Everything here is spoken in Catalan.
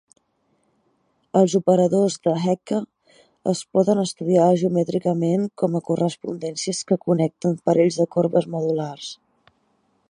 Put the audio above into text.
Els operadors de Hecke es poden estudiar geomètricament com a correspondències que connecten parells de corbes modulars.